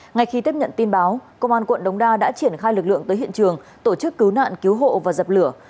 ngay khi tiếp nhận tin báo công an quận đống đa đã triển khai lực lượng tới hiện trường tổ chức cứu nạn cứu hộ và dập lửa